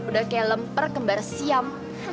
udah kayak lemper kembar siam